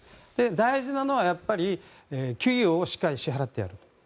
大事なのはやっぱり給料をしっかり支払ってやる。